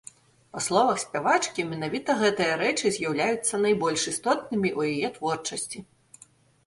Па словах спявачкі, менавіта гэтыя рэчы з'яўляюцца найбольш істотнымі ў яе творчасці.